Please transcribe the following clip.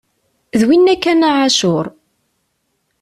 D winna kan a Ɛacur!